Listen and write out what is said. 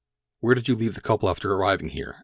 "Where did you leave the couple after arriving here?"